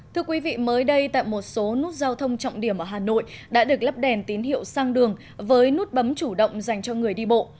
thưa quý vị mới đây tại một số nút giao thông trọng điểm ở hà nội đã được lắp đèn tín hiệu sang đường với nút bấm chủ động dành cho người đi bộ